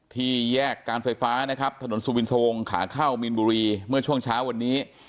ที่แยกการไฟฟ้านะครับถนนสุวินทวงขาเข้ามีนบุรีเมื่อช่วงเช้าวันนี้